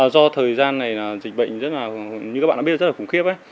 do thời gian này là dịch bệnh rất là như các bạn đã biết rất là khủng khiếp